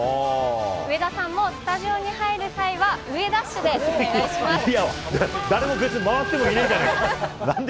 上田さんもスタジオに入る際は、ウエダッシュでお願いします。